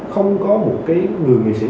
không có một cái người nghệ sĩ